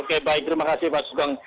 oke baik terima kasih pak sugeng